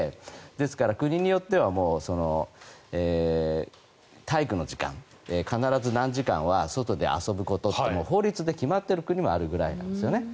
ですから国によっては体育の時間必ず何時間は外で遊ぶことって法律で決まっている国もあるぐらいなんですね。